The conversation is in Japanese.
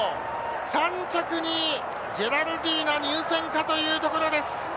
３着にジェラルディーナ入線かというところです。